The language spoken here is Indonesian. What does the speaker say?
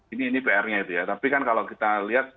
ini pr nya itu ya tapi kan kalau kita lihat